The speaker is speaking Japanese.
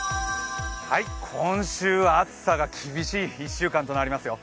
今週、暑さが厳しい１週間となりますよ。